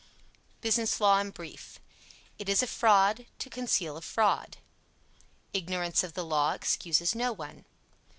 BUSINESS LAW IN BRIEF It is a fraud to conceal a fraud. Ignorance of the law excuses no one.